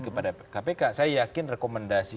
kepada kpk saya yakin rekomendasi